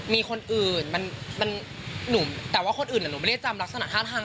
มีคนอื่นมันหนุ่มแต่ว่าคนอื่นหนูไม่ได้จำลักษณะท่าทาง